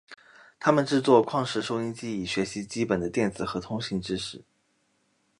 他们制作矿石收音机以学习基本的电子和通信知识。